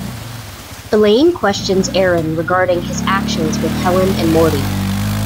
Elaine questions Aaron regarding his actions with Helen and Morty.